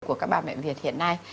của các bà mẹ việt hiện nay